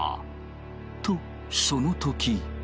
とその時。